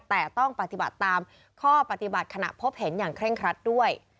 แต่ต้องปฏิบัติตามข้อปฏิบัติขณะพบเห็นอย่างเคร่งครัดด้วย